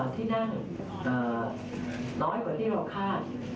ที่นั่งน้อยกว่าที่เราคาด